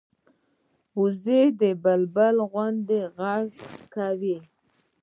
وزې د بلبلي غوندې غږ کوي